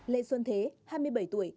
lê xuân thế hai mươi bảy tuổi